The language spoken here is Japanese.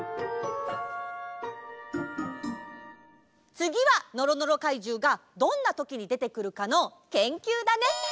つぎはのろのろかいじゅうがどんなときにでてくるかの研究だね！